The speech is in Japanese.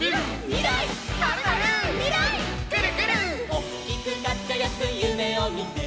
「おっきくかっちょよくゆめをみて」